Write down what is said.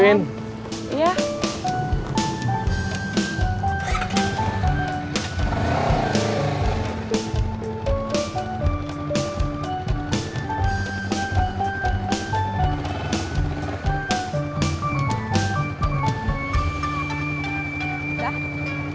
berangkat dulu ya